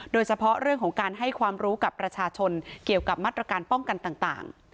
โดยเฉพาะเรื่องของการให้ความรู้กับประชาชนเกี่ยวกับมาตรการป้องกันต่าง